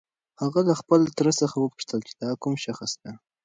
هغه له خپل تره څخه وپوښتل چې دا کوم شخص دی؟